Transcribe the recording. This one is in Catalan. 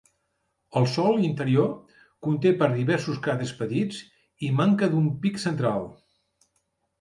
El sòl interior conté per diversos cràters petits, i manca d'un pic central.